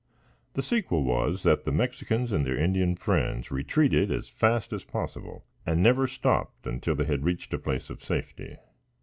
The sequel was, that the Mexicans and their Indian friends retreated as fast as possible, and never stopped until they had reached a place of safety.